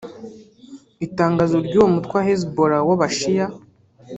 Itangazo ry'uwo murwi Hezbolalh w'aba Shia